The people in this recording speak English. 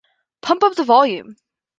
Pump up the Volume!